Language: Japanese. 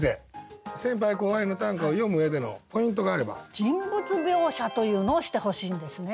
「人物描写」というのをしてほしいんですね。